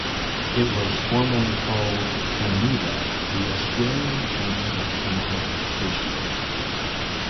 It was formally called "Chemeda: The Australian Journal of Chemical Education".